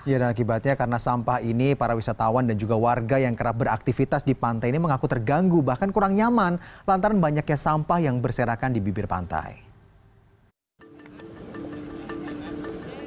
ya dan akibatnya karena sampah ini para wisatawan dan juga warga yang kerap beraktivitas di pantai ini mengaku terganggu bahkan kurang nyaman lantaran banyaknya sampah yang berserakan di bibir pantai